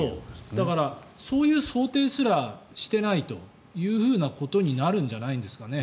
だから、そういう想定すらしていないというふうなことになるんじゃないんですかね。